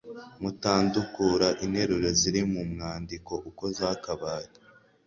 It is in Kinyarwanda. mutandukura interuro ziri mu mwandiko uko zakabaye.